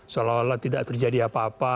seolah olah tidak terjadi apa apa